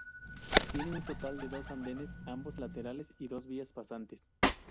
Tiene un total de dos andenes, ambos laterales y dos vías pasantes.